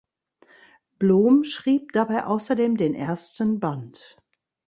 Blom schrieb dabei außerdem den ersten Band.